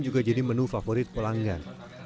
juga jadi menu favorit pelanggan